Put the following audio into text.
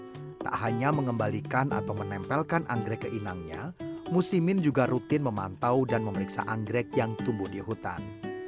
selain tak hanya mengembalikan atau menempelkan anggrek ke inangnya musimin juga rutin memantau dan memeriksa anggrek yang tumbuh di hutan